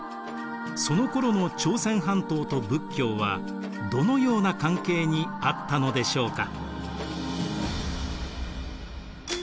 そのころの朝鮮半島と仏教はどのような関係にあったのでしょうか。